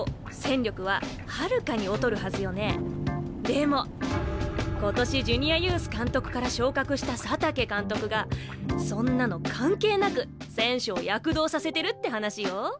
でも今年ジュニアユース監督から昇格した佐竹監督がそんなの関係なく選手を躍動させてるって話よ。